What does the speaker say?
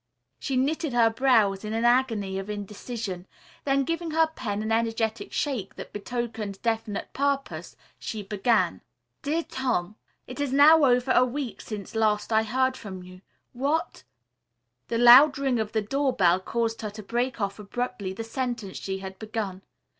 She knitted her brows in an agony of indecision, then giving her pen an energetic shake that betokened definite purpose, she began: "DEAR TOM: "It is now over a week since last I heard from you. What " The loud ring of the doorbell caused her to break off abruptly the sentence she had begun.